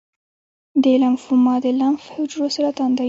د لمفوما د لمف حجرو سرطان دی.